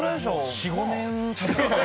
４５年？